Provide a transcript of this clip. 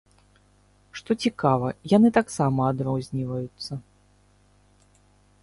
Што цікава, яны таксама адрозніваюцца.